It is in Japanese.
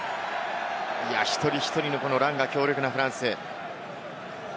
１人１人のランが強力なフランス。